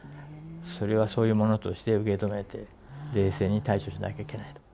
それはそういうものとして受け止めて冷静に対処しなきゃいけないと。